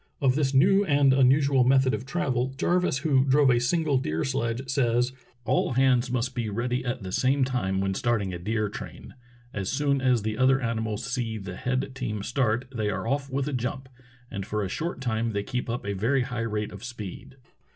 Of this new and unusual method of travel, Jarvis, who drove a single deer sledge, says: "All hands must be ready at the same time when starting a deer train. As soon as the other animals see the head team start they are off with a jump, and for a short time the}' keep up a very high rate of speed.